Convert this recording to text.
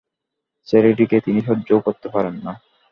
ছেলেটিকে তিনি সহ্যও করতে পারেন না।